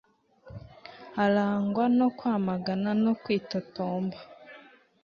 arangwa no kwamagana no kwitotomba